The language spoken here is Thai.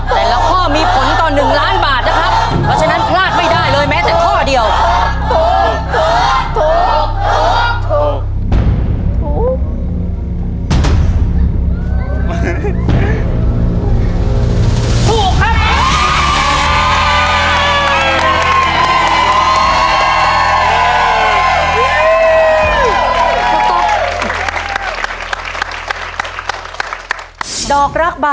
แต่ละข้อมีผลต่อหนึ่งล้านบาทนะครับ